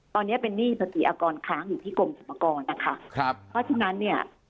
ตอนนี้เป็นหนี้ภาษีอากรค้างอยู่ที่กรมสรรพากรนะคะครับเพราะฉะนั้นเนี่ย